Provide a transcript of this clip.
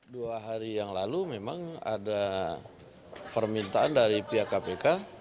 dua hari yang lalu memang ada permintaan dari pihak kpk